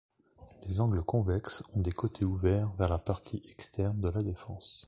Les angles convexes ont des côtés ouverts vers la partie externes de la défense.